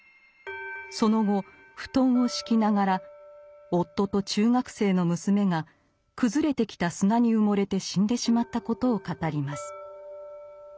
その後布団を敷きながら夫と中学生の娘が崩れてきた砂に埋もれて死んでしまったことを語ります。